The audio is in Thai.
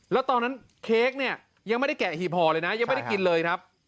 แล้วตอนนั้นเค้กเนี่ยยังไม่ได้แกะหีบห่อเลยนะยังไม่ได้กินเลยครับ